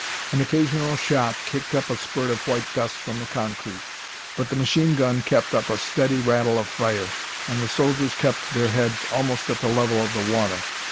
An occasional shot kicked up a spurt of white dust from the concrete, but the machine gun kept up a steady rattle of fire and the soldiers kept their heads almost at the level of the water.